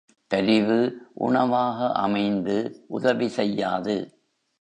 பரிவு உணவாக அமைந்து உதவி செய்யாது.